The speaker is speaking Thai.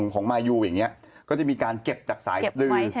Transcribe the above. ของมายูอย่างนี้ก็จะมีการเก็บจากสายสดือ